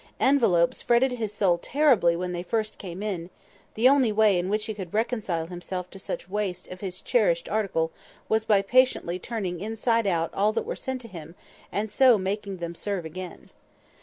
Envelopes fretted his soul terribly when they first came in; the only way in which he could reconcile himself to such waste of his cherished article was by patiently turning inside out all that were sent to him, and so making them serve again.